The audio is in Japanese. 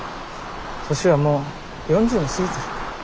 年はもう４０を過ぎてる。